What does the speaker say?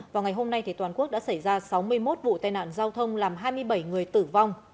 vào ngày hôm nay toàn quốc đã xảy ra sáu mươi một vụ tai nạn giao thông làm hai mươi bảy người tử vong